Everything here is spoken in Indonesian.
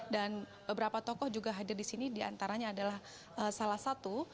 dan beberapa tokoh juga hadir di sini diantaranya adalah salah satu